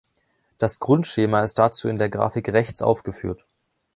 Das Grundschema ist dazu in der Grafik rechts aufgeführt.